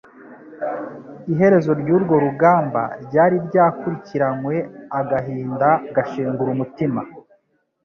Iherezo ry'urwo rugamba ryari ryakurikiranywe agahinda gashengura umutima.